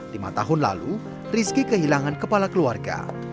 lima tahun lalu rizky kehilangan kepala keluarga